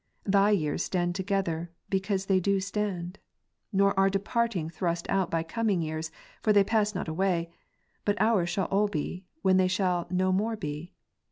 Thy years stand together, because they do stand ; nor are departing tlirust out by coming years, for they pass not away; but ours shall all be, when they shall no more be.